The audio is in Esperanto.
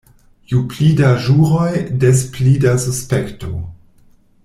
Ju pli da ĵuroj, des pli da suspekto.